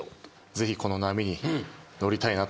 ぜひこの波に乗りたいなと。